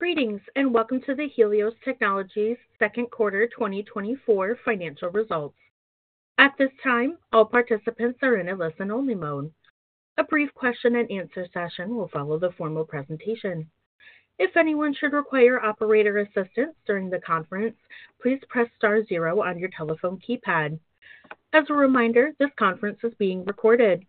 Greetings, and welcome to the Helios Technologies Second Quarter 2024 Financial Results. At this time, all participants are in a listen-only mode. A brief question and answer session will follow the formal presentation. If anyone should require operator assistance during the conference, please press star zero on your telephone keypad. As a reminder, this conference is being recorded.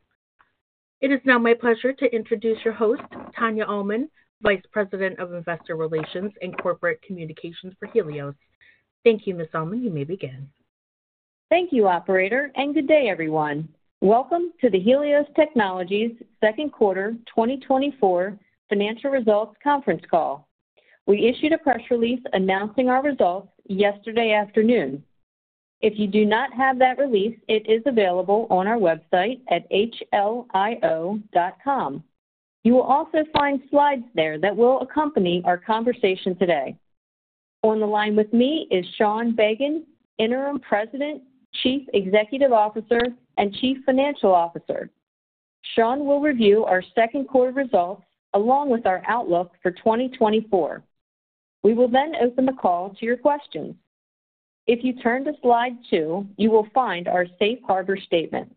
It is now my pleasure to introduce your host, Tania Almond, Vice President of Investor Relations and Corporate Communications for Helios. Thank you, Ms. Almond. You may begin. Thank you, operator, and good day, everyone. Welcome to the Helios Technologies Second Quarter 2024 Financial Results conference call. We issued a press release announcing our results yesterday afternoon. If you do not have that release, it is available on our website at hlio.com. You will also find slides there that will accompany our conversation today. On the line with me is Sean Bagan, Interim President, Chief Executive Officer, and Chief Financial Officer. Sean will review our second quarter results, along with our outlook for 2024. We will then open the call to your questions. If you turn to slide two, you will find our Safe Harbor statement.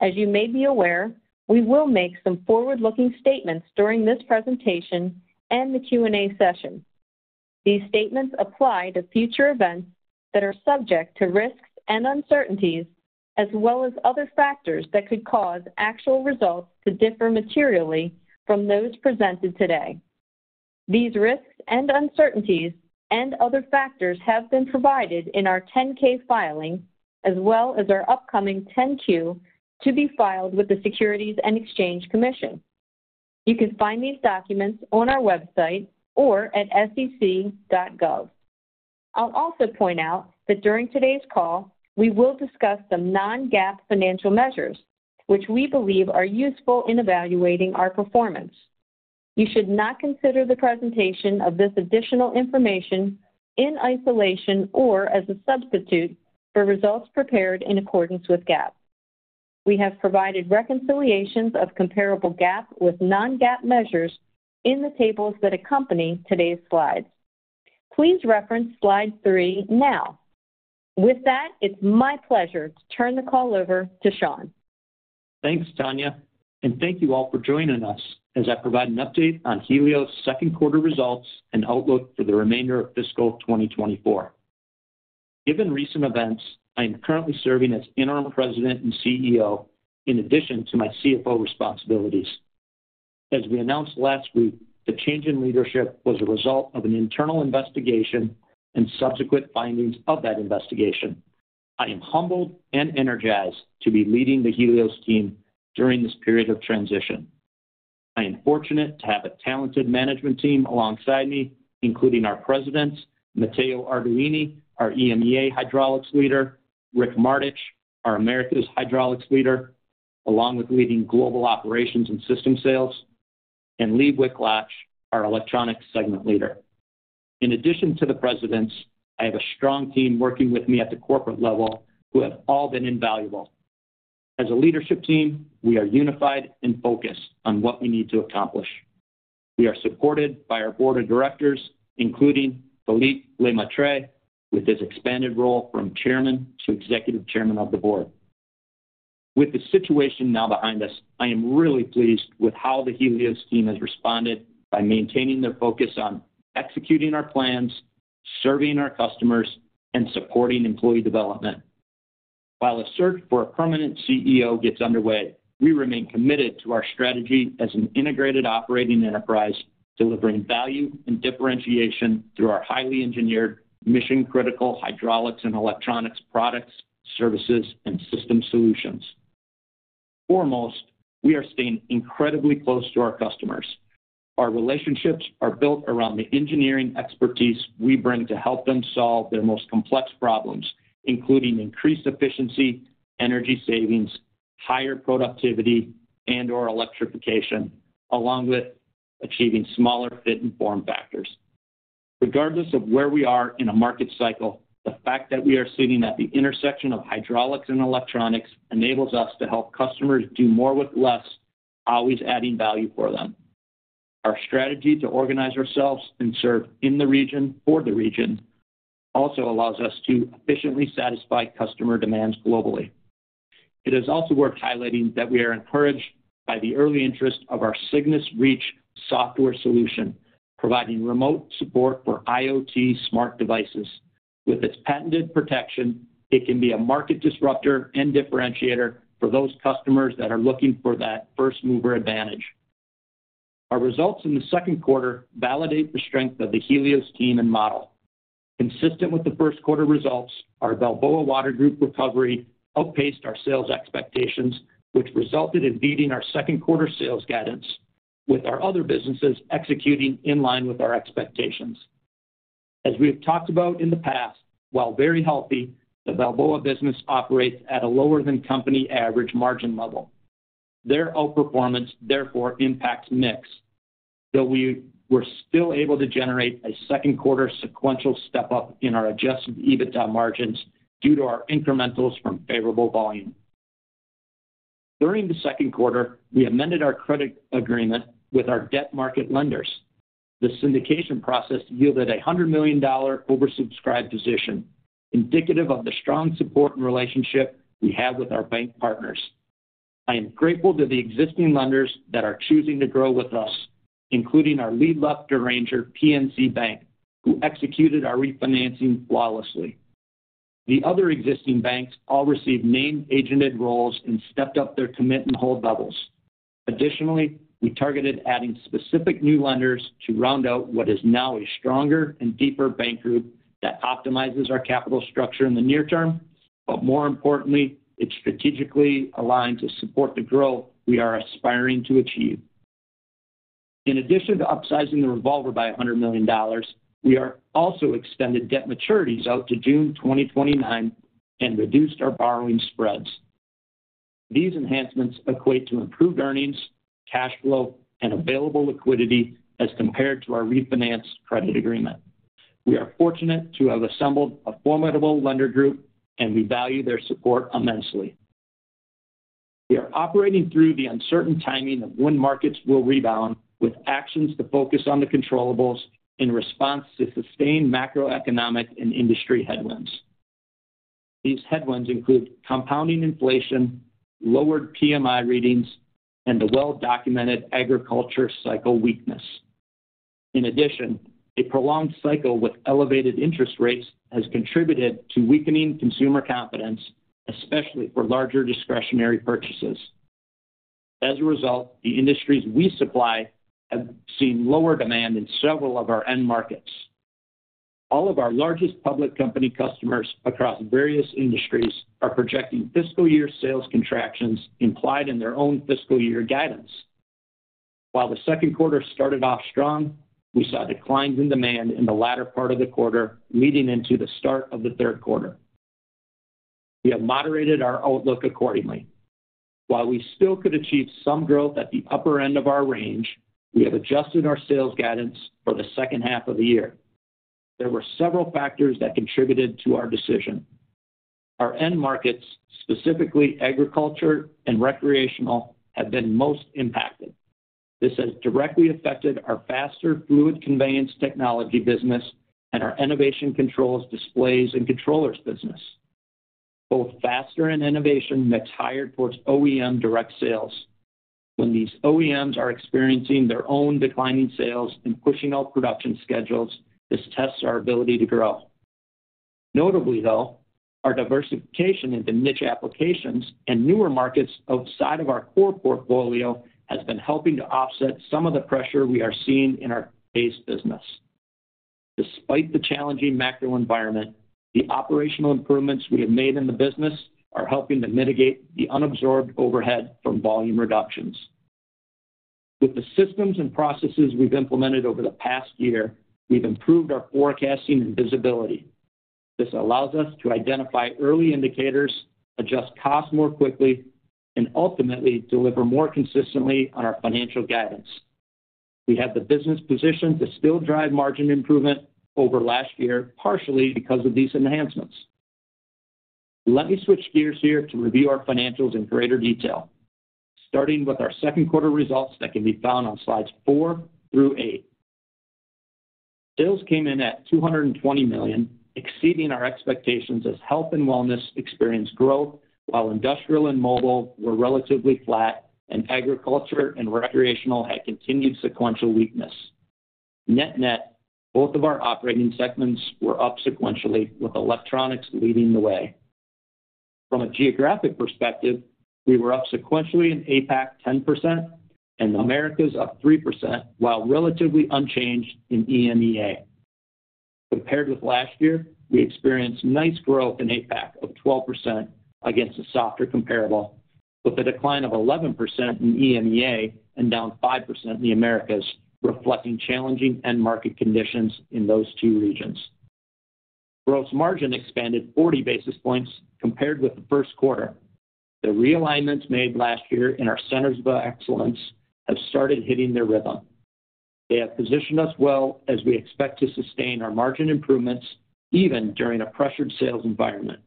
As you may be aware, we will make some forward-looking statements during this presentation and the Q&A session. These statements apply to future events that are subject to risks and uncertainties, as well as other factors that could cause actual results to differ materially from those presented today. These risks and uncertainties and other factors have been provided in our 10-K filing, as well as our upcoming 10-Q to be filed with the Securities and Exchange Commission. You can find these documents on our website or at sec.gov. I'll also point out that during today's call, we will discuss some non-GAAP financial measures, which we believe are useful in evaluating our performance. You should not consider the presentation of this additional information in isolation or as a substitute for results prepared in accordance with GAAP. We have provided reconciliations of comparable GAAP with non-GAAP measures in the tables that accompany today's slides. Please reference slide three now. With that, it's my pleasure to turn the call over to Sean. Thanks, Tania, and thank you all for joining us as I provide an update on Helios' second quarter results and outlook for the remainder of fiscal 2024. Given recent events, I am currently serving as Interim President and CEO in addition to my CFO responsibilities. As we announced last week, the change in leadership was a result of an internal investigation and subsequent findings of that investigation. I am humbled and energized to be leading the Helios team during this period of transition. I am fortunate to have a talented management team alongside me, including our presidents, Matteo Arduini, our EMEA Hydraulics leader, Rick Martich, our Americas Hydraulics leader, along with leading global operations and systems sales, and Lee Wichlacz, our Electronics segment leader. In addition to the Presidents, I have a strong team working with me at the corporate level who have all been invaluable. As a leadership team, we are unified and focused on what we need to accomplish. We are supported by our Board of Directors, including Philippe Lemaitre, with his expanded role from Chairman to Executive Chairman of the Board. With the situation now behind us, I am really pleased with how the Helios team has responded by maintaining their focus on executing our plans, serving our customers, and supporting employee development. While a search for a permanent CEO gets underway, we remain committed to our strategy as an integrated operating enterprise, delivering value and differentiation through our highly engineered, mission-critical hydraulics and electronics products, services, and system solutions. Foremost, we are staying incredibly close to our customers. Our relationships are built around the engineering expertise we bring to help them solve their most complex problems, including increased efficiency, energy savings, higher productivity, and/or electrification, along with achieving smaller fit and form factors. Regardless of where we are in a market cycle, the fact that we are sitting at the intersection of hydraulics and electronics enables us to help customers do more with less, always adding value for them. Our strategy to organize ourselves and serve in the region for the region also allows us to efficiently satisfy customer demands globally. It is also worth highlighting that we are encouraged by the early interest of our Cygnus Reach software solution, providing remote support for IoT smart devices. With its patented protection, it can be a market disruptor and differentiator for those customers that are looking for that first-mover advantage. Our results in the second quarter validate the strength of the Helios team and model. Consistent with the first quarter results, our Balboa Water Group recovery outpaced our sales expectations, which resulted in beating our second quarter sales guidance, with our other businesses executing in line with our expectations. As we have talked about in the past, while very healthy, the Balboa business operates at a lower-than-company average margin level. Their outperformance, therefore, impacts mix. Though we were still able to generate a second quarter sequential step-up in our adjusted EBITDA margins due to our incrementals from favorable volume. During the second quarter, we amended our credit agreement with our debt market lenders. The syndication process yielded a $100 million oversubscribed position, indicative of the strong support and relationship we have with our bank partners. I am grateful to the existing lenders that are choosing to grow with us, including our lead left arranger, PNC Bank, who executed our refinancing flawlessly. The other existing banks all received named agented roles and stepped up their commit and hold levels. Additionally, we targeted adding specific new lenders to round out what is now a stronger and deeper bank group that optimizes our capital structure in the near term, but more importantly, it's strategically aligned to support the growth we are aspiring to achieve. In addition to upsizing the revolver by $100 million, we also extended debt maturities out to June 2029 and reduced our borrowing spreads. These enhancements equate to improved earnings, cash flow, and available liquidity as compared to our refinanced credit agreement. We are fortunate to have assembled a formidable lender group, and we value their support immensely. We are operating through the uncertain timing of when markets will rebound, with actions to focus on the controllables in response to sustained macroeconomic and industry headwinds. These headwinds include compounding inflation, lowered PMI readings, and the well-documented agriculture cycle weakness. In addition, a prolonged cycle with elevated interest rates has contributed to weakening consumer confidence, especially for larger discretionary purchases. As a result, the industries we supply have seen lower demand in several of our end markets. All of our largest public company customers across various industries are projecting fiscal year sales contractions implied in their own fiscal year guidance. While the second quarter started off strong, we saw declines in demand in the latter part of the quarter leading into the start of the third quarter. We have moderated our outlook accordingly. While we still could achieve some growth at the upper end of our range, we have adjusted our sales guidance for the second half of the year. There were several factors that contributed to our decision. Our end markets, specifically agriculture and recreational, have been most impacted. This has directly affected our Faster fluid conveyance technology business and our Enovation controls, displays, and controllers business. Both Faster and Enovation mix higher towards OEM direct sales. When these OEMs are experiencing their own declining sales and pushing out production schedules, this tests our ability to grow. Notably, though, our diversification into niche applications and newer markets outside of our core portfolio has been helping to offset some of the pressure we are seeing in our base business. Despite the challenging macro environment, the operational improvements we have made in the business are helping to mitigate the unabsorbed overhead from volume reductions. With the systems and processes we've implemented over the past year, we've improved our forecasting and visibility. This allows us to identify early indicators, adjust costs more quickly, and ultimately deliver more consistently on our financial guidance. We have the business positioned to still drive margin improvement over last year, partially because of these enhancements. Let me switch gears here to review our financials in greater detail, starting with our second quarter results that can be found on slides four through eight. Sales came in at $220 million, exceeding our expectations as health and wellness experienced growth, while industrial and mobile were relatively flat, and agriculture and recreational had continued sequential weakness. Net-net, both of our operating segments were up sequentially, with electronics leading the way. From a geographic perspective, we were up sequentially in APAC, 10%, and Americas, up 3%, while relatively unchanged in EMEA. Compared with last year, we experienced nice growth in APAC of 12% against a softer comparable, with a decline of 11% in EMEA and down 5% in the Americas, reflecting challenging end market conditions in those two regions. Gross margin expanded 40 basis points compared with the first quarter. The realignments made last year in our Centers of Excellence have started hitting their rhythm. They have positioned us well as we expect to sustain our margin improvements even during a pressured sales environment.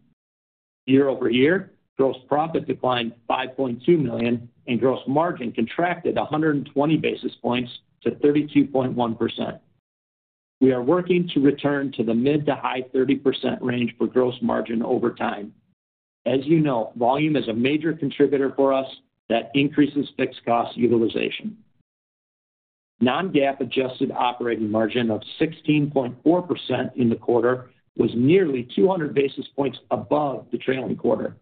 Year-over-year, gross profit declined $5.2 million, and gross margin contracted 120 basis points to 32.1%. We are working to return to the mid- to high-30% range for gross margin over time. As you know, volume is a major contributor for us that increases fixed cost utilization. Non-GAAP adjusted operating margin of 16.4% in the quarter was nearly 200 basis points above the trailing quarter.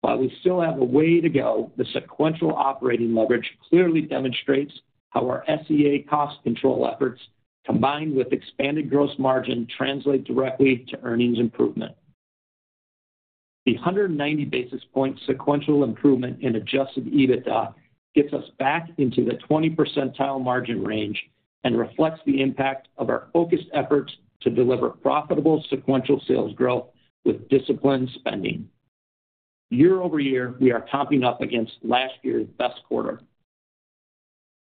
While we still have a way to go, the sequential operating leverage clearly demonstrates how our SEA cost control efforts, combined with expanded gross margin, translate directly to earnings improvement. The 190 basis point sequential improvement in adjusted EBITDA gets us back into the 20 percentile margin range and reflects the impact of our focused efforts to deliver profitable sequential sales growth with disciplined spending. Year-over-year, we are comping up against last year's best quarter.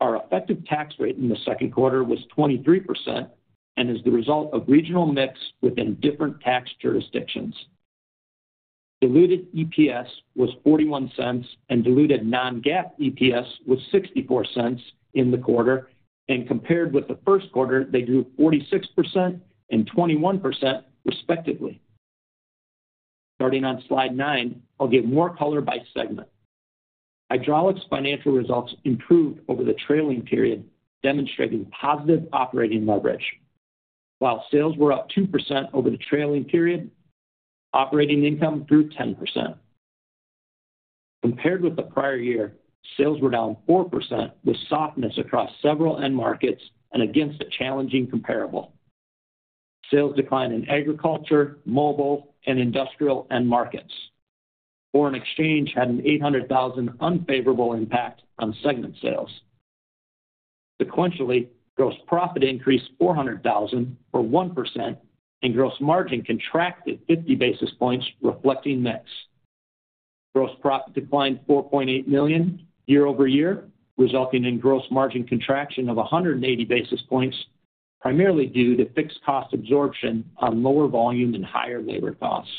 Our effective tax rate in the second quarter was 23%, and is the result of regional mix within different tax jurisdictions. Diluted EPS was $0.41, and diluted non-GAAP EPS was $0.64 in the quarter, and compared with the first quarter, they grew 46% and 21% respectively. Starting on slide nine, I'll give more color by segment. Hydraulics financial results improved over the trailing period, demonstrating positive operating leverage. While sales were up 2% over the trailing period, operating income grew 10%. Compared with the prior year, sales were down 4%, with softness across several end markets and against a challenging comparable. Sales declined in agriculture, mobile, and industrial end markets. Foreign exchange had an $800,000 unfavorable impact on segment sales. Sequentially, gross profit increased $400,000, or 1%, and gross margin contracted 50 basis points, reflecting mix. Gross profit declined $4.8 million year-over-year, resulting in gross margin contraction of 180 basis points, primarily due to fixed cost absorption on lower volume and higher labor costs.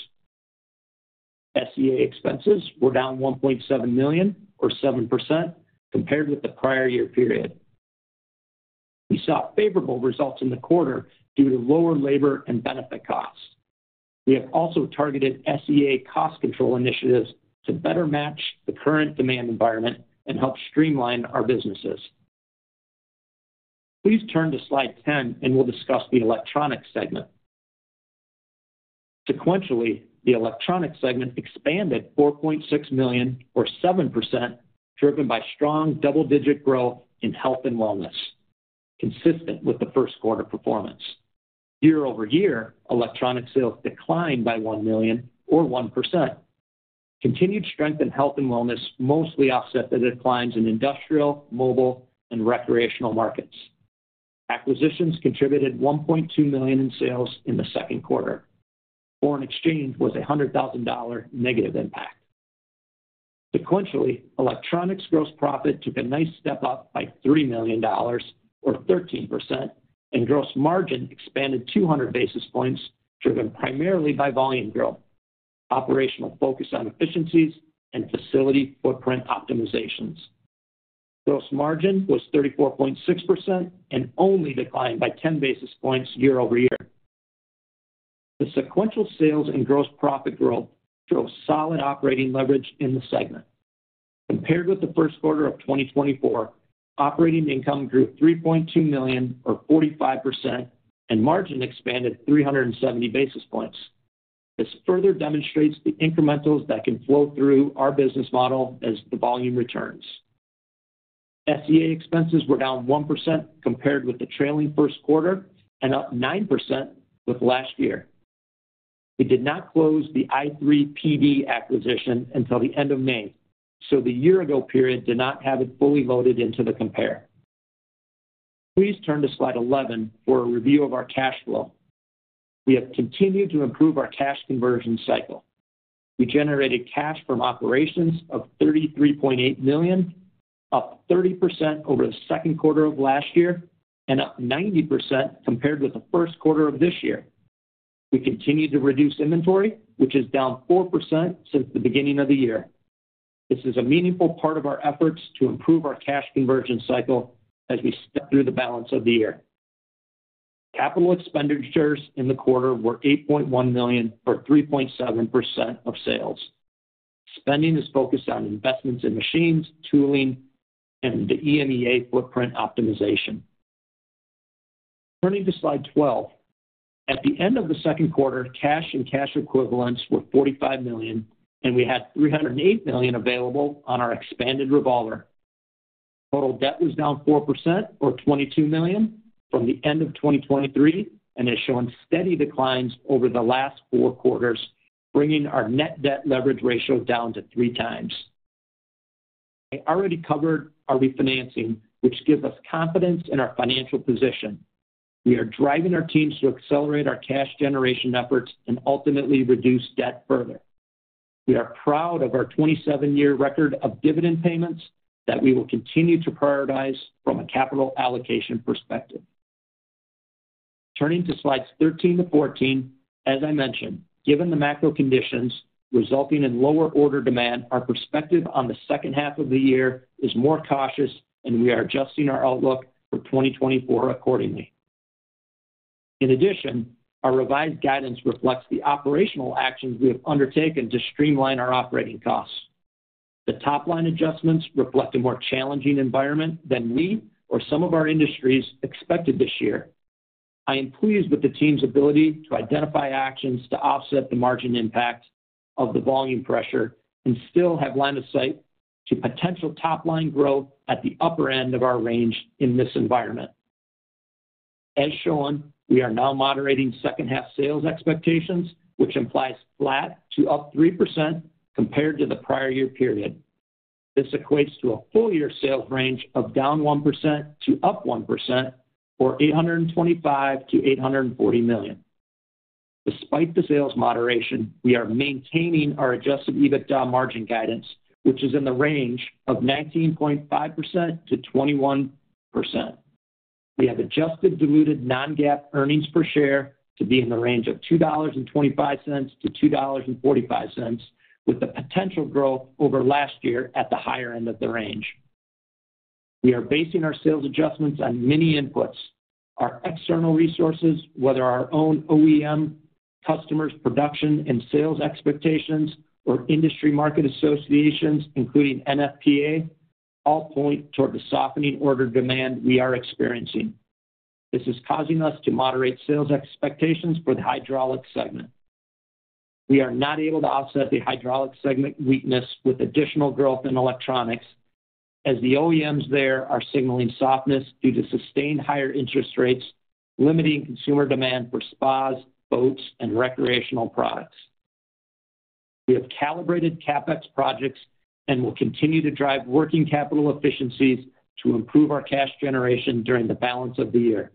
SEA expenses were down $1.7 million, or 7%, compared with the prior year period. We saw favorable results in the quarter due to lower labor and benefit costs. We have also targeted SEA cost control initiatives to better match the current demand environment and help streamline our businesses. Please turn to slide 10, and we'll discuss the electronic segment. Sequentially, the electronic segment expanded $4.6 million, or 7%, driven by strong double-digit growth in health and wellness, consistent with the first quarter performance. Year-over-year, electronic sales declined by $1 million, or 1%. Continued strength in health and wellness mostly offset the declines in industrial, mobile, and recreational markets. Acquisitions contributed $1.2 million in sales in the second quarter. Foreign exchange was a $100,000 negative impact. Sequentially, electronics gross profit took a nice step-up by $3 million, or 13%, and gross margin expanded 200 basis points, driven primarily by volume growth, operational focus on efficiencies, and facility footprint optimizations. Gross margin was 34.6% and only declined by 10 basis points year-over-year. The sequential sales and gross profit growth drove solid operating leverage in the segment. Compared with the first quarter of 2024, operating income grew $3.2 million, or 45%, and margin expanded 370 basis points. This further demonstrates the incrementals that can flow through our business model as the volume returns. SEA expenses were down 1% compared with the trailing first quarter, and up 9% with last year. We did not close the i3PD acquisition until the end of May, so the year-ago period did not have it fully loaded into the compare. Please turn to slide 11 for a review of our cash flow. We have continued to improve our cash conversion cycle. We generated cash from operations of $33.8 million, up 30% over the second quarter of last year, and up 90% compared with the first quarter of this year. We continued to reduce inventory, which is down 4% since the beginning of the year. This is a meaningful part of our efforts to improve our cash conversion cycle as we step through the balance of the year. Capital expenditures in the quarter were $8.1 million, or 3.7% of sales. Spending is focused on investments in machines, tooling, and the EMEA footprint optimization. Turning to slide 12. At the end of the second quarter, cash and cash equivalents were $45 million, and we had $308 million available on our expanded revolver. Total debt was down 4%, or $22 million, from the end of 2023, and is showing steady declines over the last 4 quarters, bringing our net debt leverage ratio down to 3x. I already covered our refinancing, which gives us confidence in our financial position. We are driving our teams to accelerate our cash generation efforts and ultimately reduce debt further. We are proud of our 27-year record of dividend payments that we will continue to prioritize from a capital allocation perspective. Turning to slides 13 to 14, as I mentioned, given the macro conditions resulting in lower order demand, our perspective on the second half of the year is more cautious, and we are adjusting our outlook for 2024 accordingly. In addition, our revised guidance reflects the operational actions we have undertaken to streamline our operating costs. The top-line adjustments reflect a more challenging environment than we or some of our industries expected this year. I am pleased with the team's ability to identify actions to offset the margin impact of the volume pressure and still have line of sight to potential top-line growth at the upper end of our range in this environment. As shown, we are now moderating second half sales expectations, which implies flat to up 3% compared to the prior year period. This equates to a full year sales range of down 1% to up 1%, or $825 million-$840 million. Despite the sales moderation, we are maintaining our adjusted EBITDA margin guidance, which is in the range of 19.5%-21%. We have adjusted diluted non-GAAP earnings per share to be in the range of $2.25-$2.45, with the potential growth over last year at the higher end of the range. We are basing our sales adjustments on many inputs. Our external resources, whether our own OEM customers, production, and sales expectations, or industry market associations, including NFPA, all point toward the softening order demand we are experiencing. This is causing us to moderate sales expectations for the hydraulic segment. We are not able to offset the hydraulic segment weakness with additional growth in electronics, as the OEMs there are signaling softness due to sustained higher interest rates, limiting consumer demand for spas, boats, and recreational products. We have calibrated CapEx projects and will continue to drive working capital efficiencies to improve our cash generation during the balance of the year.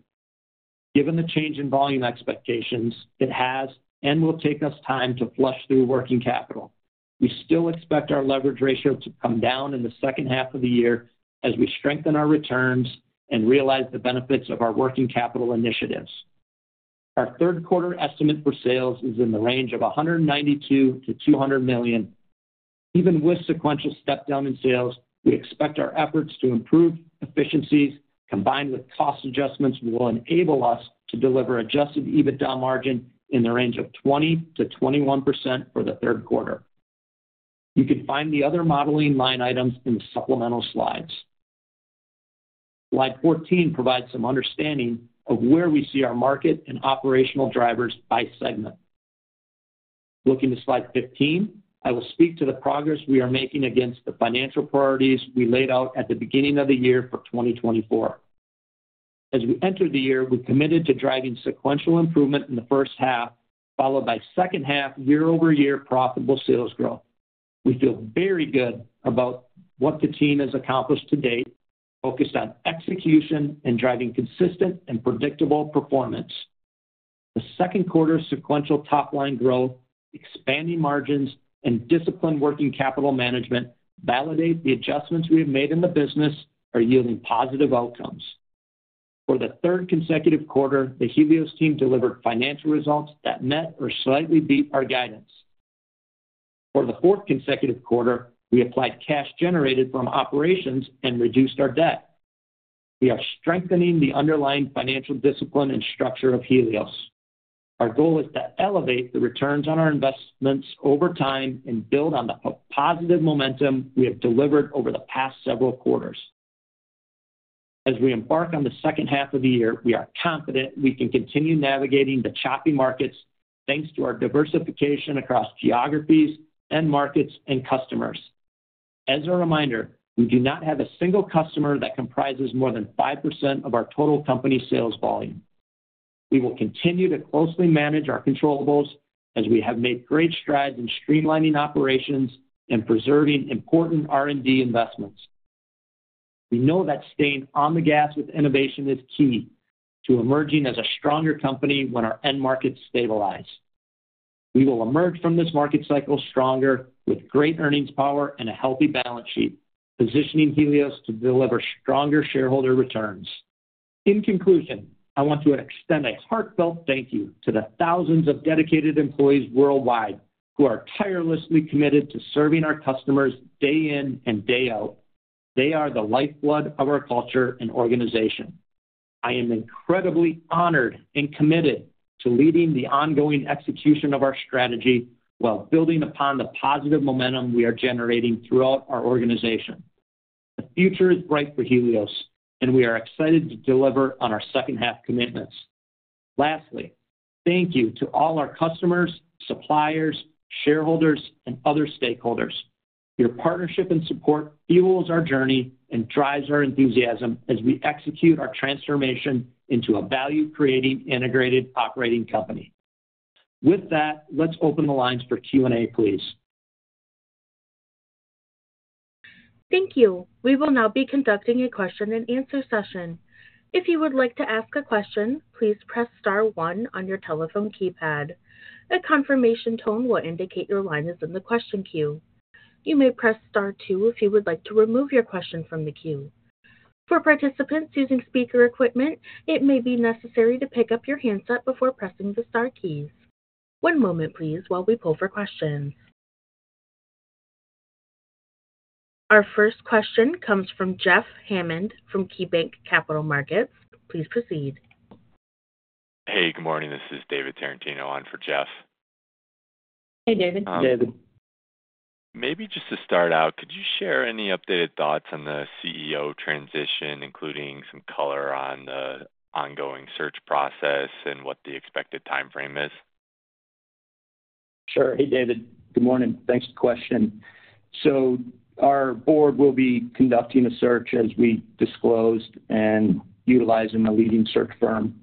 Given the change in volume expectations, it has and will take us time to flush through working capital. We still expect our leverage ratio to come down in the second half of the year as we strengthen our returns and realize the benefits of our working capital initiatives. Our third quarter estimate for sales is in the range of $192 million-$200 million. Even with sequential step down in sales, we expect our efforts to improve efficiencies, combined with cost adjustments, will enable us to deliver adjusted EBITDA margin in the range of 20%-21% for the third quarter. You can find the other modeling line items in the supplemental slides. Slide 14 provides some understanding of where we see our market and operational drivers by segment. Looking to slide 15, I will speak to the progress we are making against the financial priorities we laid out at the beginning of the year for 2024. As we entered the year, we committed to driving sequential improvement in the first half, followed by second half year-over-year profitable sales growth. We feel very good about what the team has accomplished to date, focused on execution and driving consistent and predictable performance. The second quarter sequential top-line growth, expanding margins, and disciplined working capital management validate the adjustments we have made in the business are yielding positive outcomes. For the third consecutive quarter, the Helios team delivered financial results that met or slightly beat our guidance. For the fourth consecutive quarter, we applied cash generated from operations and reduced our debt. We are strengthening the underlying financial discipline and structure of Helios. Our goal is to elevate the returns on our investments over time and build on the positive momentum we have delivered over the past several quarters. As we embark on the second half of the year, we are confident we can continue navigating the choppy markets, thanks to our diversification across geographies and markets and customers. As a reminder, we do not have a single customer that comprises more than 5% of our total company sales volume. We will continue to closely manage our controllables as we have made great strides in streamlining operations and preserving important R&D investments. We know that staying on the gas with innovation is key to emerging as a stronger company when our end markets stabilize. We will emerge from this market cycle stronger, with great earnings power and a healthy balance sheet, positioning Helios to deliver stronger shareholder returns. In conclusion, I want to extend a heartfelt thank you to the thousands of dedicated employees worldwide who are tirelessly committed to serving our customers day in and day out. They are the lifeblood of our culture and organization. I am incredibly honored and committed to leading the ongoing execution of our strategy while building upon the positive momentum we are generating throughout our organization. The future is bright for Helios, and we are excited to deliver on our second half commitments. Lastly, thank you to all our customers, suppliers, shareholders, and other stakeholders. Your partnership and support fuels our journey and drives our enthusiasm as we execute our transformation into a value-creating, integrated operating company. With that, let's open the lines for Q&A, please. Thank you. We will now be conducting a question-and-answer session. If you would like to ask a question, please press star one on your telephone keypad. A confirmation tone will indicate your line is in the question queue. You may press star two if you would like to remove your question from the queue. For participants using speaker equipment, it may be necessary to pick up your handset before pressing the star keys. One moment please, while we poll for questions. Our first question comes from Jeff Hammond from KeyBanc Capital Markets. Please proceed. Hey, good morning. This is David Tarantino on for Jeff. Hey, David. Hey, David. Maybe just to start out, could you share any updated thoughts on the CEO transition, including some color on the ongoing search process and what the expected time frame is? Sure. Hey, David. Good morning. Thanks for the question. So our board will be conducting a search, as we disclosed, and utilizing a leading search firm.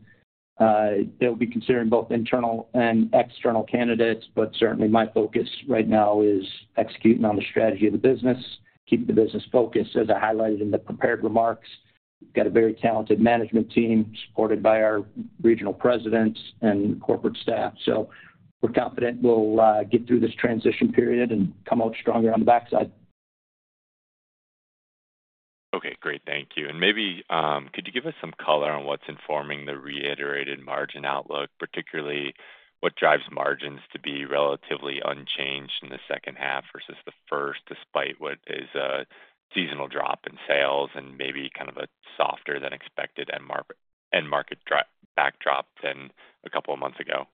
They'll be considering both internal and external candidates, but certainly, my focus right now is executing on the strategy of the business, keeping the business focused, as I highlighted in the prepared remarks. We've got a very talented management team, supported by our regional presidents and corporate staff. So we're confident we'll get through this transition period and come out stronger on the backside. Okay, great. Thank you. And maybe could you give us some color on what's informing the reiterated margin outlook, particularly what drives margins to be relatively unchanged in the second half versus the first, despite what is a seasonal drop in sales and maybe kind of a softer than expected end-market backdrop than a couple of months ago?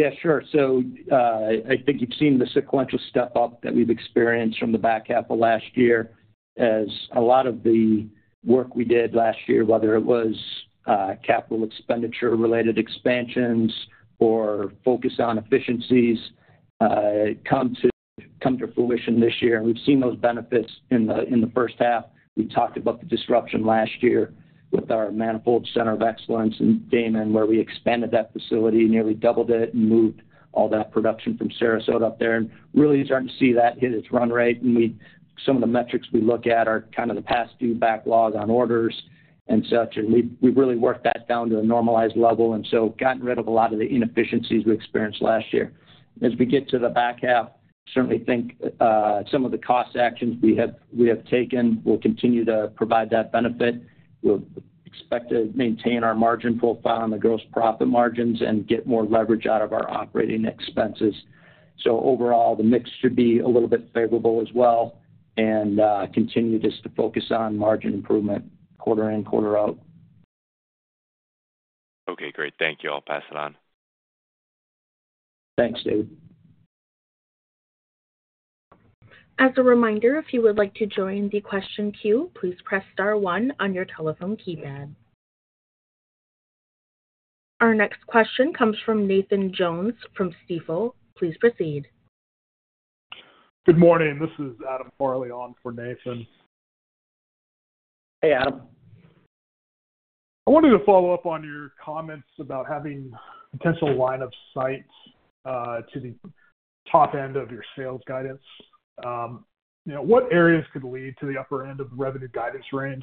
Yeah, sure. So, I think you've seen the sequential step-up that we've experienced from the back half of last year, as a lot of the work we did last year, whether it was capital expenditure-related expansions or focus on efficiencies, come to fruition this year. And we've seen those benefits in the first half. We talked about the disruption last year with our manifold center of excellence in Daman, where we expanded that facility, nearly doubled it, and moved all that production from Sarasota up there, and really starting to see that hit its run rate. And we, some of the metrics we look at are kind of the past due backlog on orders and such, and we've really worked that down to a normalized level, and so gotten rid of a lot of the inefficiencies we experienced last year. As we get to the back half, certainly think some of the cost actions we have taken will continue to provide that benefit. We'll expect to maintain our margin profile on the gross profit margins and get more leverage out of our operating expenses. So overall, the mix should be a little bit favorable as well, and continue just to focus on margin improvement quarter in, quarter out. Okay, great. Thank you. I'll pass it on. Thanks, David. As a reminder, if you would like to join the question queue, please press star one on your telephone keypad. Our next question comes from Nathan Jones from Stifel. Please proceed. Good morning. This is Adam Farley on for Nathan. Hey, Adam. I wanted to follow up on your comments about having potential line of sights to the top end of your sales guidance. You know, what areas could lead to the upper end of the revenue guidance range?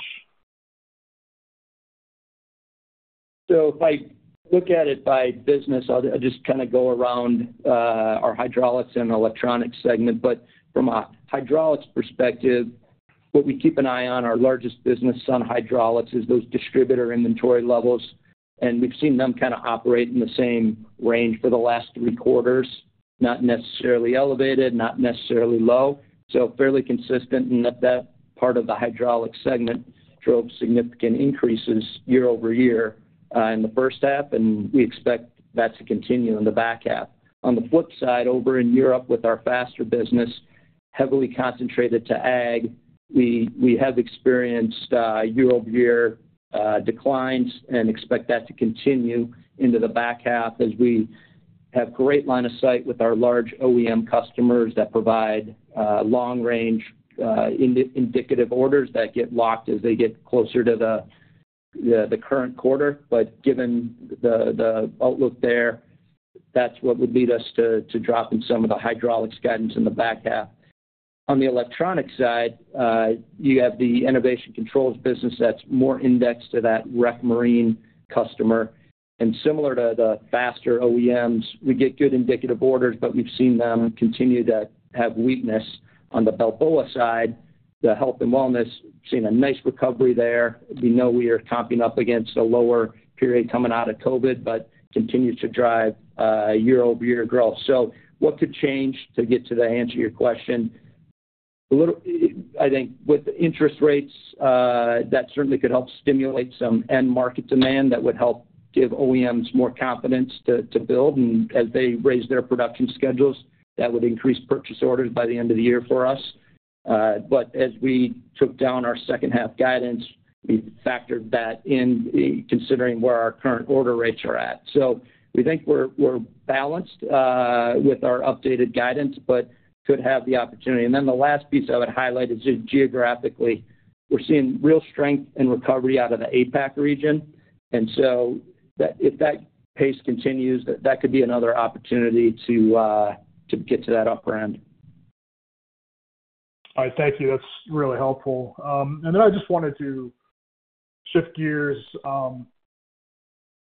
So if I look at it by business, I'll just kind of go around, our hydraulics and electronics segment. But from a hydraulics perspective, what we keep an eye on, our largest business on hydraulics, is those distributor inventory levels. And we've seen them kind of operate in the same range for the last three quarters, not necessarily elevated, not necessarily low, so fairly consistent. And that part of the hydraulics segment drove significant increases year-over-year, in the first half, and we expect that to continue in the back half. On the flip side, over in Europe, with our Faster business heavily concentrated to ag, we have experienced year-over-year declines and expect that to continue into the back half as we have great line of sight with our large OEM customers that provide long-range indicative orders that get locked as they get closer to the current quarter. But given the outlook there, that's what would lead us to drop in some of the hydraulics guidance in the back half. On the electronic side, you have the Enovation Controls business that's more indexed to that rec marine customer. And similar to the Faster OEMs, we get good indicative orders, but we've seen them continue to have weakness. On the Balboa side, the health and wellness, we've seen a nice recovery there. We know we are comping up against a lower period coming out of COVID, but it continues to drive year-over-year growth. So what could change to get to the answer to your question? A little, I think with interest rates, that certainly could help stimulate some end-market demand that would help give OEMs more confidence to build. And as they raise their production schedules, that would increase purchase orders by the end of the year for us. But as we took down our second-half guidance, we factored that in considering where our current order rates are at. So we think we're balanced with our updated guidance, but could have the opportunity. And then the last piece I would highlight is just geographically, we're seeing real strength and recovery out of the APAC region. And so that, if that pace continues, that could be another opportunity to get to that upper end. All right. Thank you. That's really helpful. And then I just wanted to shift gears,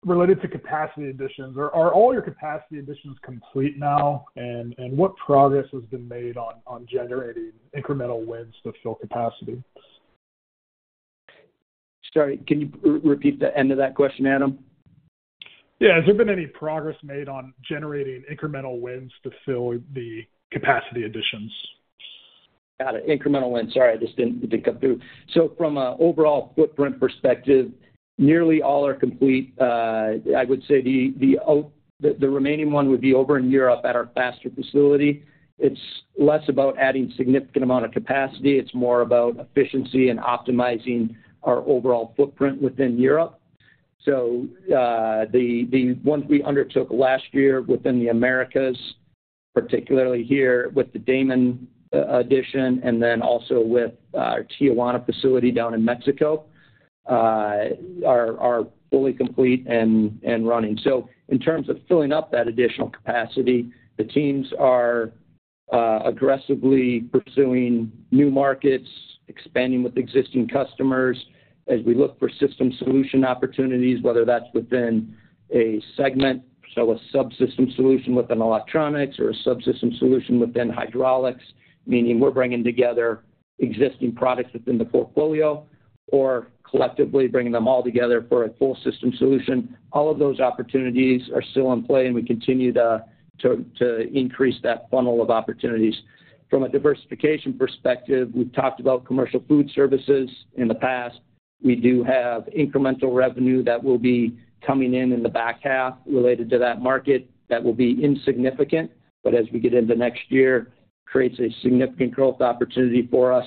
related to capacity additions. Are all your capacity additions complete now? And what progress has been made on generating incremental wins to fill capacity? Sorry, can you repeat the end of that question, Adam? Yeah. Has there been any progress made on generating incremental wins to fill the capacity additions? Got it. Incremental wins. Sorry, it just didn't come through. So from an overall footprint perspective, nearly all are complete. I would say the remaining one would be over in Europe at our Faster facility. It's less about adding significant amount of capacity, it's more about efficiency and optimizing our overall footprint within Europe. So, the ones we undertook last year within the Americas, particularly here with the Daman addition and then also with our Tijuana facility down in Mexico, are fully complete and running. So in terms of filling up that additional capacity, the teams are aggressively pursuing new markets, expanding with existing customers as we look for system solution opportunities, whether that's within a segment, so a subsystem solution within electronics or a subsystem solution within hydraulics, meaning we're bringing together existing products within the portfolio, or collectively bringing them all together for a full system solution. All of those opportunities are still in play, and we continue to increase that funnel of opportunities. From a diversification perspective, we've talked about commercial food services in the past. We do have incremental revenue that will be coming in in the back half related to that market. That will be insignificant, but as we get into next year, creates a significant growth opportunity for us,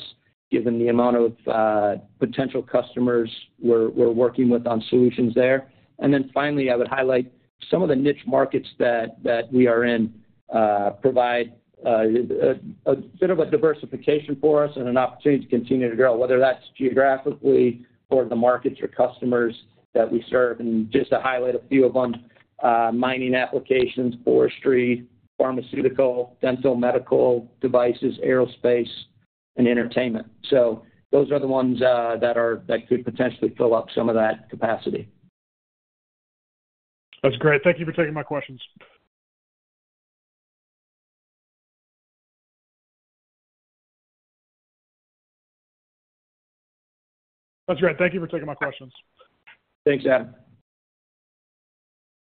given the amount of potential customers we're working with on solutions there. Then finally, I would highlight some of the niche markets that we are in provide a bit of a diversification for us and an opportunity to continue to grow, whether that's geographically or the markets or customers that we serve. Just to highlight a few of them, mining applications, forestry, pharmaceutical, dental, medical devices, aerospace, and entertainment. Those are the ones that could potentially fill up some of that capacity. That's great. Thank you for taking my questions. Thanks, Adam.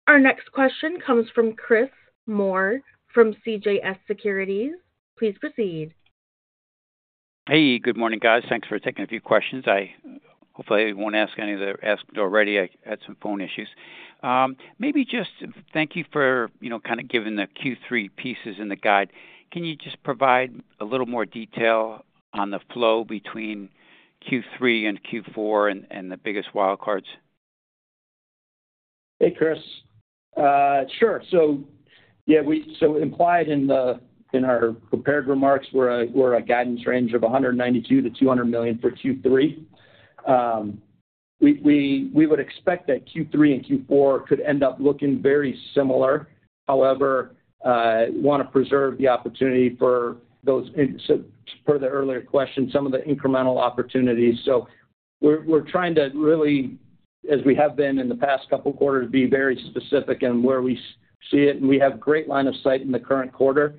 Our next question comes from Chris Moore from CJS Securities. Please proceed. Hey, good morning, guys. Thanks for taking a few questions. I hope I won't ask any that are asked already. I had some phone issues. Maybe just thank you for, you know, kind of giving the Q3 pieces and the guide. Can you just provide a little more detail on the flow between Q3 and Q4 and the biggest wild cards? Hey, Chris. Sure. So yeah, we, so implied in the, in our prepared remarks were a guidance range of $192 million-$200 million for Q3. We would expect that Q3 and Q4 could end up looking very similar. However, want to preserve the opportunity for those in, so per the earlier question, some of the incremental opportunities. So we're trying to really, as we have been in the past couple of quarters, be very specific in where we see it, and we have great line of sight in the current quarter.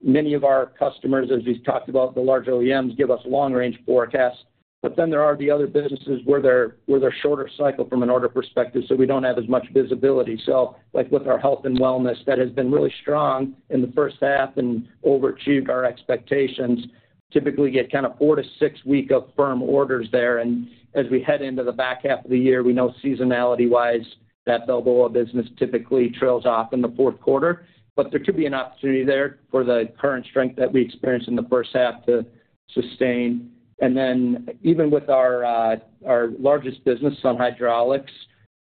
Many of our customers, as we've talked about, the large OEMs, give us long range forecasts. But then there are the other businesses where they're shorter cycle from an order perspective, so we don't have as much visibility. So like with our health and wellness, that has been really strong in the first half and overachieved our expectations, typically get kind of four-six weeks of firm orders there. And as we head into the back half of the year, we know seasonality-wise, that Balboa business typically trails off in the fourth quarter. But there could be an opportunity there for the current strength that we experienced in the first half to sustain. And then even with our largest business on hydraulics,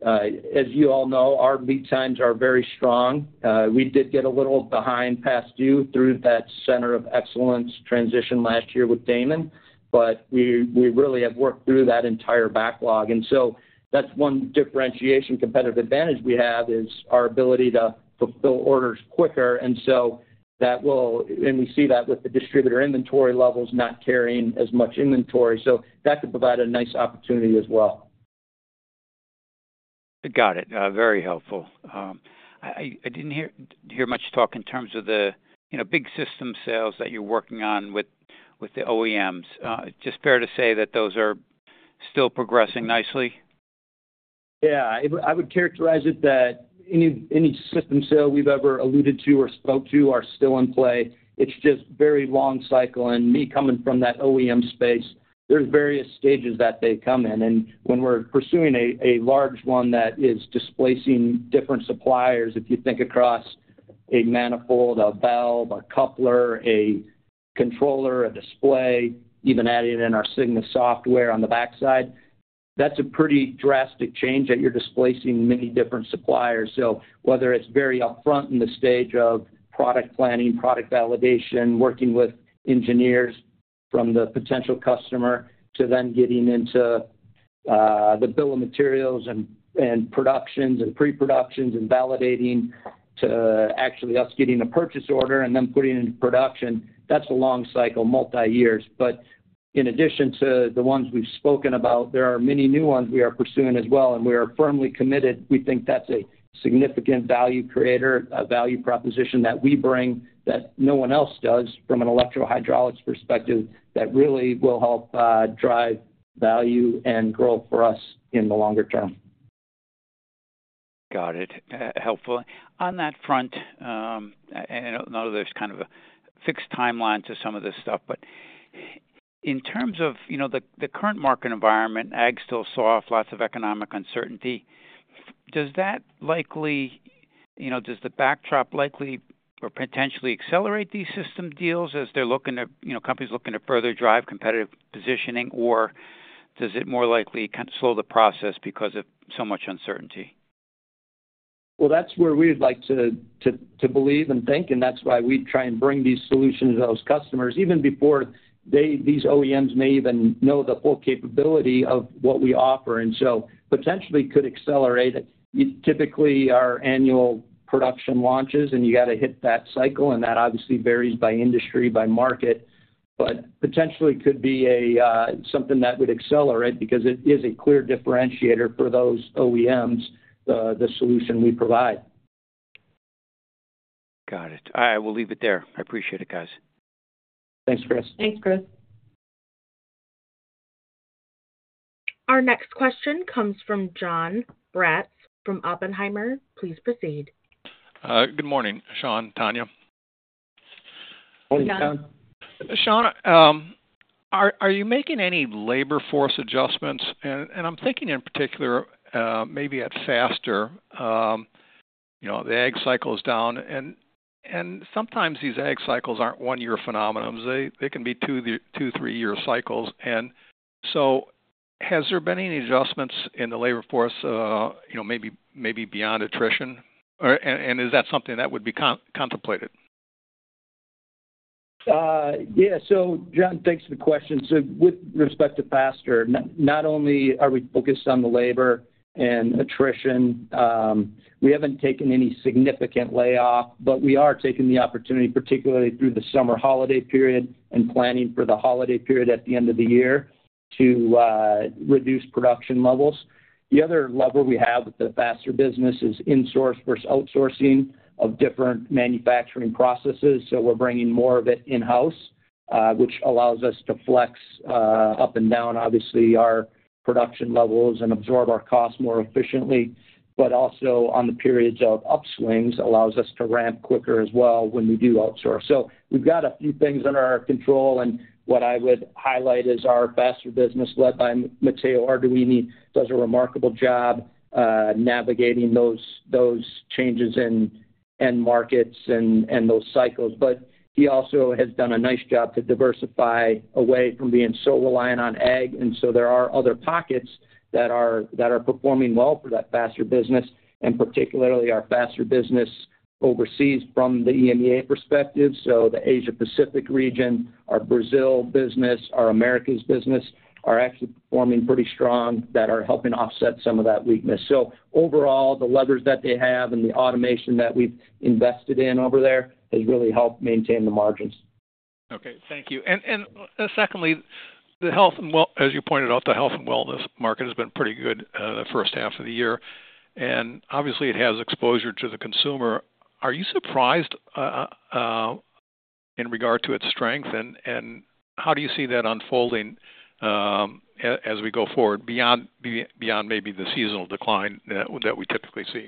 as you all know, our lead times are very strong. We did get a little behind past due through that Center of Excellence transition last year with Daman, but we really have worked through that entire backlog. That's one differentiation, competitive advantage we have, is our ability to fulfill orders quicker, and so that will, and we see that with the distributor inventory levels not carrying as much inventory. So that could provide a nice opportunity as well. Got it. Very helpful. I didn't hear much talk in terms of the, you know, big system sales that you're working on with the OEMs. Just fair to say that those are still progressing nicely? Yeah. I would, I would characterize it that any system sale we've ever alluded to or spoke to are still in play. It's just very long cycle, and me coming from that OEM space, there's various stages that they come in. And when we're pursuing a large one that is displacing different suppliers, if you think across a manifold, a valve, a coupler, a controller, a display, even adding in our Cygnus software on the backside, that's a pretty drastic change that you're displacing many different suppliers. So whether it's very upfront in the stage of product planning, product validation, working with engineers from the potential customer, to then getting into, the bill of materials and productions and pre-productions and validating, to actually us getting a purchase order and then putting it into production, that's a long cycle, multiyears. But in addition to the ones we've spoken about, there are many new ones we are pursuing as well, and we are firmly committed. We think that's a significant value creator, a value proposition that we bring that no one else does from an electro hydraulics perspective, that really will help drive value and growth for us in the longer term. Got it. Helpful. On that front, and I know there's kind of a fixed timeline to some of this stuff, but in terms of, you know, the current market environment, ag still saw off lots of economic uncertainty. Does that likely, you know, does the backdrop likely or potentially accelerate these system deals as they're looking to, you know, companies looking to further drive competitive positioning? Or does it more likely kind of slow the process because of so much uncertainty? Well, that's where we'd like to believe and think, and that's why we try and bring these solutions to those customers, even before these OEMs may even know the full capability of what we offer, and so potentially could accelerate it. Typically, our annual production launches, and you got to hit that cycle, and that obviously varies by industry, by market but potentially could be something that would accelerate because it is a clear differentiator for those OEMs, the solution we provide. Got it. All right, we'll leave it there. I appreciate it, guys. Thanks, Chris. Thanks, Chris. Our next question comes from Jon Braatz from Oppenheimer. Please proceed. Good morning, Sean, Tania. Morning, Jon. Sean, are you making any labor force adjustments? And I'm thinking in particular, maybe at Faster. You know, the ag cycle is down, and sometimes these ag cycles aren't one-year phenomena. They can be two- to three-year cycles. And so has there been any adjustments in the labor force, you know, maybe beyond attrition? Or is that something that would be contemplated? Yeah. So Jon, thanks for the question. So with respect to Faster, not only are we focused on the labor and attrition, we haven't taken any significant layoff, but we are taking the opportunity, particularly through the summer holiday period and planning for the holiday period at the end of the year, to reduce production levels. The other lever we have with the Faster business is insource versus outsourcing of different manufacturing processes. So we're bringing more of it in-house, which allows us to flex up and down, obviously, our production levels and absorb our costs more efficiently. But also, on the periods of upswings, allows us to ramp quicker as well when we do outsource. So we've got a few things under our control, and what I would highlight is our Faster business, led by Matteo Arduini, does a remarkable job navigating those changes in end markets and those cycles. But he also has done a nice job to diversify away from being so reliant on ag. And so there are other pockets that are performing well for that Faster business, and particularly our Faster business overseas from the EMEA perspective. So the Asia Pacific region, our Brazil business, our Americas business, are actually performing pretty strong that are helping offset some of that weakness. So overall, the levers that they have and the automation that we've invested in over there has really helped maintain the margins. Okay. Thank you. Secondly, as you pointed out, the health and wellness market has been pretty good the first half of the year, and obviously, it has exposure to the consumer. Are you surprised in regard to its strength, and how do you see that unfolding as we go forward, beyond maybe the seasonal decline that we typically see?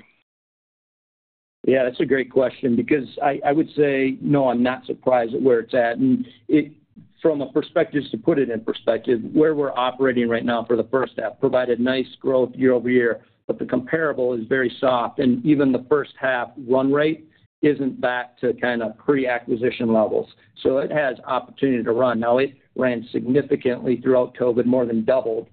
Yeah, that's a great question because I would say, no, I'm not surprised at where it's at. From a perspective, just to put it in perspective, where we're operating right now for the first half provided nice growth year-over-year, but the comparable is very soft, and even the first half run rate isn't back to kind of pre-acquisition levels. So it has opportunity to run. Now, it ran significantly throughout COVID, more than doubled.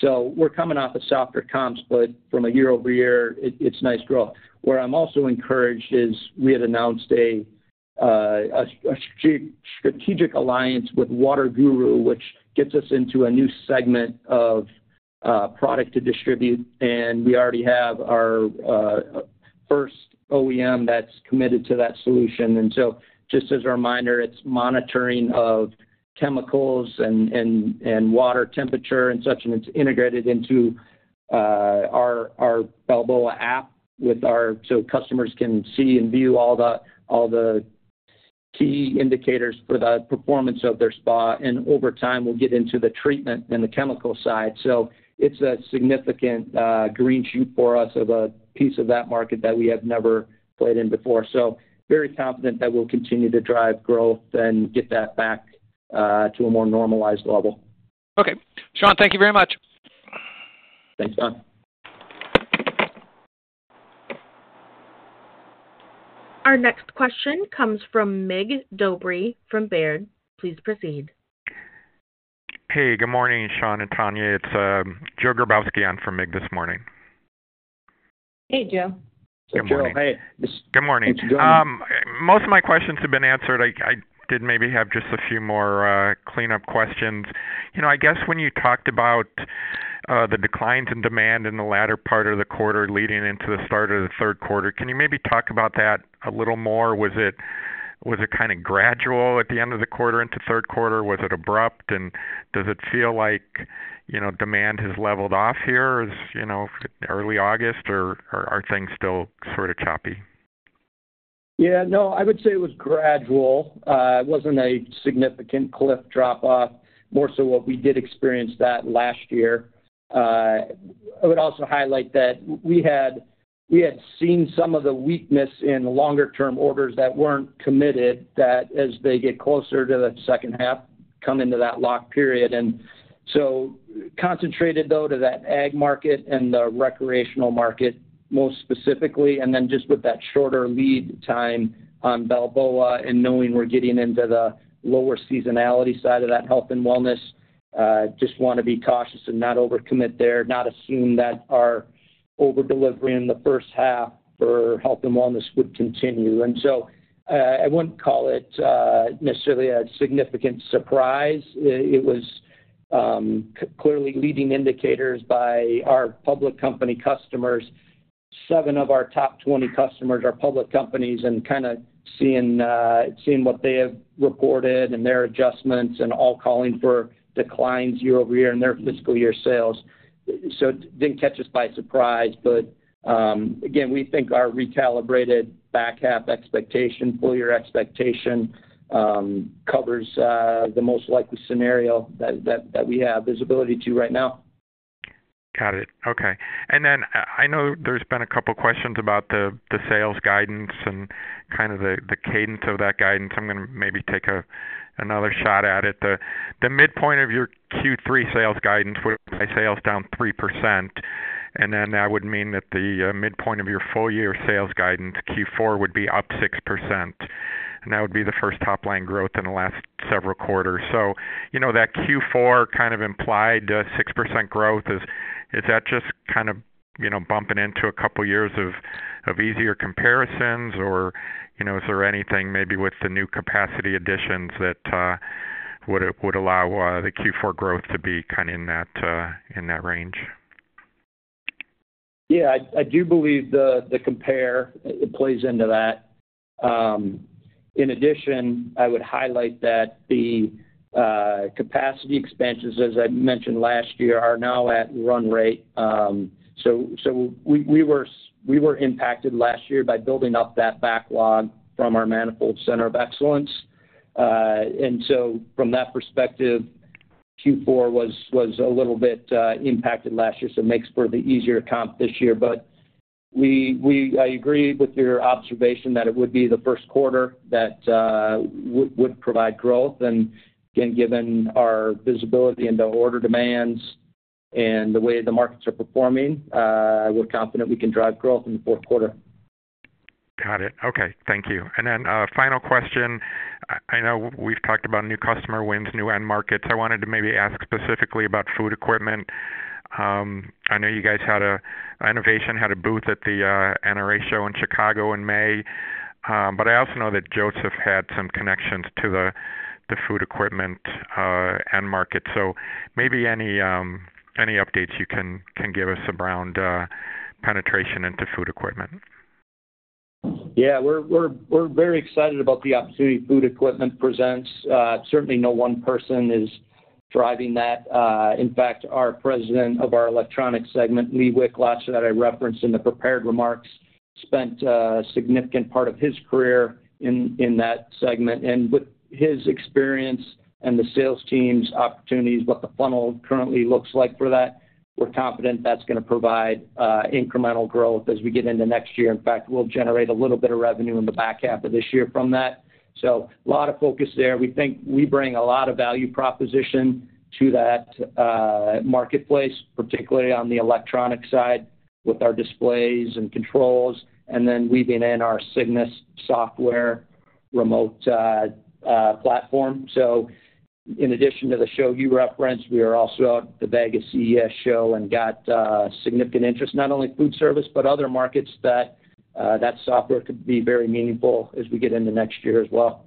So we're coming off of softer comps, but from a year-over-year, it's nice growth. Where I'm also encouraged is we had announced a strategic alliance with WaterGuru, which gets us into a new segment of product to distribute, and we already have our first OEM that's committed to that solution. Just as a reminder, it's monitoring of chemicals and water temperature and such, and it's integrated into our Balboa app with our— so customers can see and view all the key indicators for the performance of their spa. And over time, we'll get into the treatment and the chemical side. So it's a significant green shoot for us of a piece of that market that we have never played in before. So very confident that we'll continue to drive growth and get that back to a more normalized level. Okay. Sean, thank you very much. Thanks, Jon. Our next question comes from Mig Dobre from Baird. Please proceed. Hey, good morning, Sean and Tania. It's Joe Grabowski on for Mig this morning. Hey, Joe. Joe. Hey. Good morning. Good morning. Most of my questions have been answered. I did maybe have just a few more cleanup questions. You know, I guess when you talked about the declines in demand in the latter part of the quarter leading into the start of the third quarter, can you maybe talk about that a little more? Was it kind of gradual at the end of the quarter into third quarter? Was it abrupt? And does it feel like, you know, demand has leveled off here as, you know, early August, or are things still sort of choppy? Yeah, no, I would say it was gradual. It wasn't a significant cliff drop off, more so what we did experience that last year. I would also highlight that we had seen some of the weakness in longer term orders that weren't committed, that as they get closer to the second half, come into that lock period. And so concentrated, though, to that ag market and the recreational market, more specifically, and then just with that shorter lead time on Balboa and knowing we're getting into the lower seasonality side of that health and wellness, just want to be cautious and not overcommit there, not assume that our overdelivery in the first half for health and wellness would continue. And so, I wouldn't call it necessarily a significant surprise. It was clearly leading indicators by our public company customers. Seven of our top 20 customers are public companies, and kind of seeing what they have reported and their adjustments and all calling for declines year-over-year in their fiscal year sales. So it didn't catch us by surprise, but again, we think our recalibrated back half expectation, full year expectation, covers the most likely scenario that we have visibility to right now. Got it. Okay. Then I know there's been a couple questions about the sales guidance and kind of the cadence of that guidance. I'm gonna maybe take another shot at it. The midpoint of your Q3 sales guidance was by sales down 3%, and then that would mean that the midpoint of your full year sales guidance, Q4, would be up 6%, and that would be the first top line growth in the last several quarters. So you know, that Q4 kind of implied 6% growth, is that just kind of, you know, bumping into a couple of years of easier comparisons? Or, you know, is there anything maybe with the new capacity additions that would allow the Q4 growth to be kind of in that range? Yeah, I do believe the compare plays into that. In addition, I would highlight that the capacity expansions, as I mentioned last year, are now at run rate. So we were impacted last year by building up that backlog from our manifold Center of Excellence. And so from that perspective, Q4 was a little bit impacted last year, so it makes for the easier comp this year. But I agree with your observation that it would be the first quarter that would provide growth. And again, given our visibility into order demands and the way the markets are performing, we're confident we can drive growth in the fourth quarter. Got it. Okay. Thank you. And then, final question. I know we've talked about new customer wins, new end markets. I wanted to maybe ask specifically about food equipment. I know you guys had a— Enovation had a booth at the NRA show in Chicago in May. But I also know that Josef had some connections to the food equipment end market. So maybe any updates you can give us around penetration into food equipment? Yeah, we're very excited about the opportunity food equipment presents. Certainly no one person is driving that. In fact, our president of our electronics segment, Lee Wichlacz, that I referenced in the prepared remarks, spent a significant part of his career in that segment. And with his experience and the sales team's opportunities, what the funnel currently looks like for that, we're confident that's gonna provide incremental growth as we get into next year. In fact, we'll generate a little bit of revenue in the back half of this year from that. So a lot of focus there. We think we bring a lot of value proposition to that marketplace, particularly on the electronic side, with our displays and controls, and then weaving in our Cygnus software remote platform. So in addition to the show you referenced, we are also at the Vegas CES show and got significant interest, not only food service, but other markets that software could be very meaningful as we get into next year as well.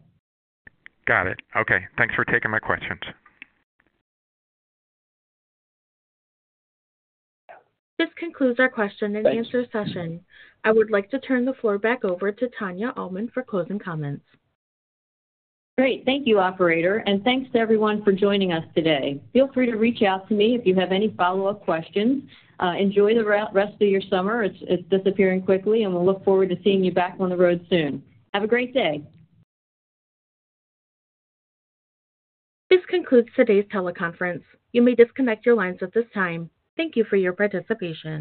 Got it. Okay. Thanks for taking my questions. This concludes our question and answer session. I would like to turn the floor back over to Tania Almond for closing comments. Great. Thank you, operator, and thanks to everyone for joining us today. Feel free to reach out to me if you have any follow-up questions. Enjoy the rest of your summer. It's disappearing quickly, and we'll look forward to seeing you back on the road soon. Have a great day. This concludes today's teleconference. You may disconnect your lines at this time. Thank you for your participation.